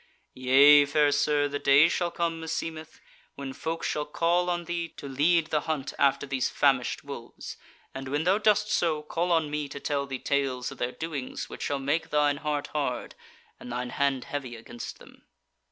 Yea, fair sir, the day shall come meseemeth when folk shall call on thee to lead the hunt after these famished wolves, and when thou dost so, call on me to tell thee tales of their doings which shall make thine heart hard, and thine hand heavy against them."